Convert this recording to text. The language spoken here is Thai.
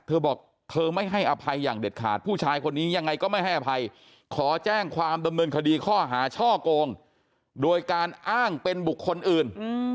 เธอบอกเธอไม่ให้อภัยอย่างเด็ดขาดผู้ชายคนนี้ยังไงก็ไม่ให้อภัยขอแจ้งความดำเนินคดีข้อหาช่อกงโดยการอ้างเป็นบุคคลอื่น